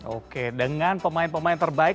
oke dengan pemain pemain terbaik